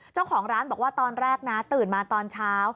เจ้าของร้านบอกว่าตอนแรกนะตื่นมาตอนเช้า